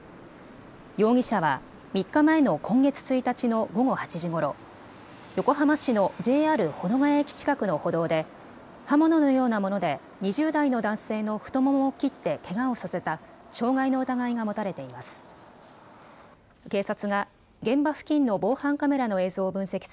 容疑者は３日前の今月１日の午後８時ごろ、横浜市のＪＲ保土ケ谷駅近くの歩道で刃物のようなもので２０代の男性の太ももを切ってけがをさせた傷害の疑いが持たれています。